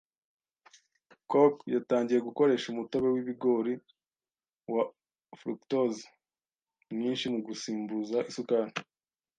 Coke yatangiye gukoresha umutobe wibigori wa fructose mwinshi mu gusimbuza isukari.